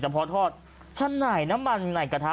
เฉินพอทอดชั้นไหนน้ำมันไหนกระทะ